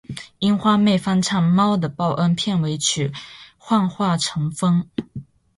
樱花妹翻唱《猫的报恩》片尾曲《幻化成风》